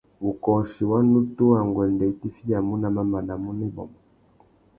Wukôchi wa nutu râ nguêndê i tifiyamú nà mamana a mú nà ibômô.